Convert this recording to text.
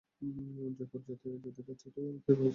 জয়পুর যেতে যেতে বাচ্চা তো গাড়িতেই হয়ে যাবে।